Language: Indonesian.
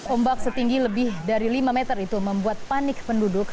ombak setinggi lebih dari lima meter itu membuat panik penduduk